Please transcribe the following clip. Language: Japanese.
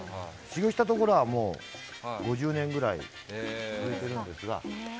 修業したところは５０年ぐらいやってたんですが。